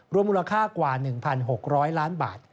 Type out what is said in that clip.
มูลค่ากว่า๑๖๐๐ล้านบาท